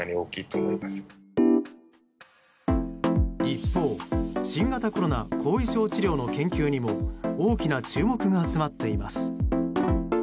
一方、新型コロナ後遺症治療の研究にも大きな注目が集まっています。